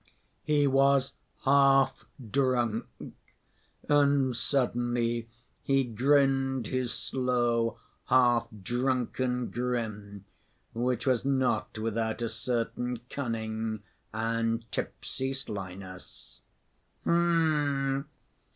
He was half drunk, and suddenly he grinned his slow half‐drunken grin, which was not without a certain cunning and tipsy slyness. "H'm!...